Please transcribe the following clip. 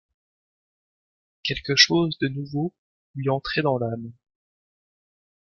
Quelque chose de nouveau lui entrait dans l’âme.